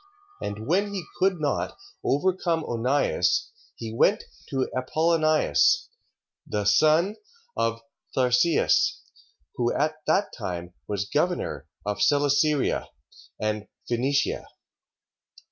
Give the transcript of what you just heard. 3:5. And when he could not overcome Onias, he went to Apollonius, the son of Tharseas, who at that time was governor of Celesyria, and Phenicia: 3:6.